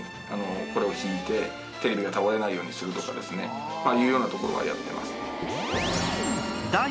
テレビが倒れないようにするとかですね。というようなところはやってます。